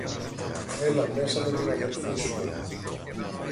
Έλα μέσα με την αδελφή σου.